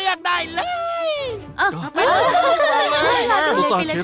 อื้ออื้ออื้อ